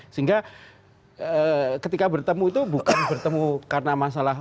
sehingga ketika bertemu itu bukan bertemu karena masalah